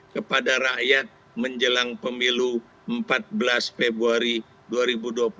kepada rakyat menjelang pemilu empat belas februari dua ribu dua puluh